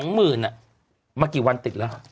หมื่นมากี่วันติดแล้ว